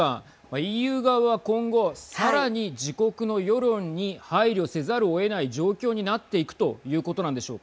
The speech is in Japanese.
ＥＵ側は今後さらに自国の世論に配慮せざるをえない状況になっていくということなんでしょうか。